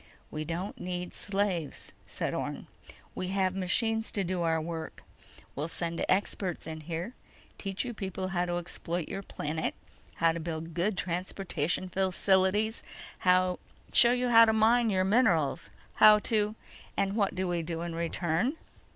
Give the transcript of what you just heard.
"We don't need slaves," said Orne. "We have machines to do our work. We'll send experts in here, teach you people how to exploit your planet, how to build good transportation facilities, show you how to mine your minerals, how to—" "And what do we do in return?"